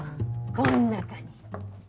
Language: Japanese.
こん中に。